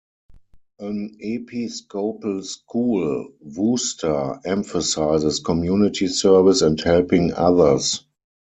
An Episcopal school, Wooster emphasizes community service and helping others.